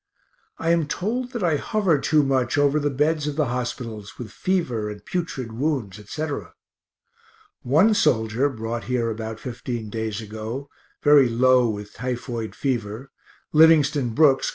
I am told that I hover too much over the beds of the hospitals, with fever and putrid wounds, etc. One soldier brought here about fifteen days ago, very low with typhoid fever, Livingston Brooks, Co.